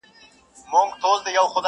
پورته تللې ده.